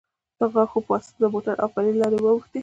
ته د غاښو يه واسطه د موټو او پلې لارې اوښتي